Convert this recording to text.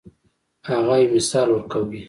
هغه یو مثال ورکوي.